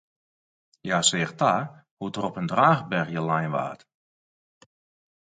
Hja seach ta hoe't er op in draachberje lein waard.